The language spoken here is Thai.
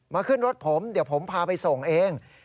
ขึ้นรถผมเดี๋ยวผมพาไปส่งเอง